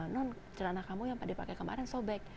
non celana kamu yang pada pakai kemarin sobek